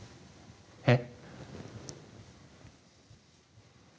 えっ？